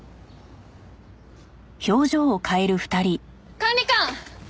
管理官！